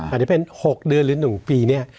อาจจะเป็น๖เดือนหรือ๑ปีเนี่ย